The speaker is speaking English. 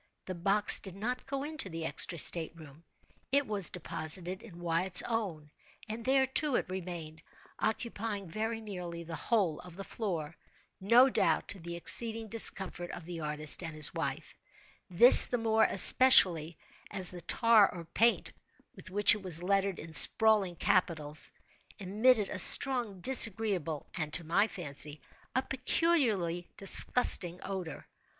The box did not go into the extra state room. It was deposited in Wyatt's own; and there, too, it remained, occupying very nearly the whole of the floor—no doubt to the exceeding discomfort of the artist and his wife;—this the more especially as the tar or paint with which it was lettered in sprawling capitals, emitted a strong, disagreeable, and, to my fancy, a peculiarly disgusting odor.